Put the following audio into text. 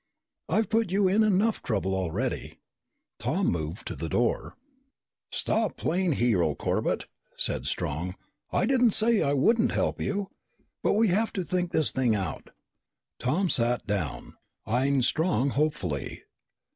I've put you in enough trouble already." Tom moved to the door. "Stop playing the hero, Corbett," said Strong. "I didn't say I wouldn't help you. But we have to think this thing out." Tom sat down, eying Strong hopefully.